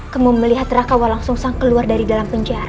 kamu melihat raden wolang sungsang keluar dari dalam penjara